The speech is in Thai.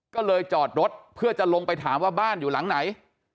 ก็เลยจอดรถเพื่อจะลงไปถามว่าบ้านอยู่หลังไหน